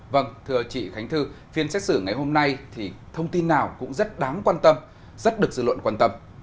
vâng thưa chị khánh thư phiên xét xử ngày hôm nay thì thông tin nào cũng rất đáng quan tâm rất được dư luận quan tâm